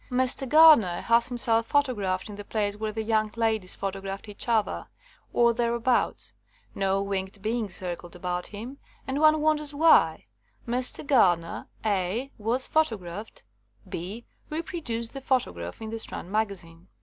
Mr. Gardner has himself photographed in the place where the young 84 RECEPTION OF THE FIRST PHOTOGRAPHS ladies photographed each other, or there abouts. No winged beings circled about him, and one wonders why Mr. Gardner (a) was photographed, (h) reproduced the photo graph in the Strand Magazine.